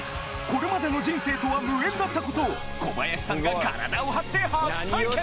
これまでの人生とは無縁だったことを小林さんが体を張って初体験！